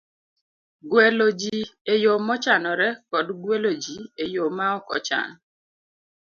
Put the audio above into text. gwelo ji e yo mochanore kod gwelo ji e yo ma ok ochan.